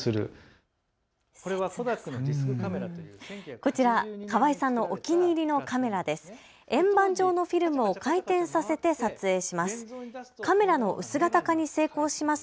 こちら、川井さんのお気に入りのカメラです。